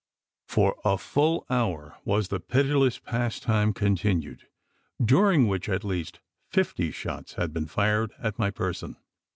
For a full hour was the pitiless pastime continued during which at least fifty shots had been fired at my person.